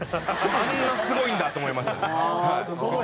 あんなすごいんだと思いました。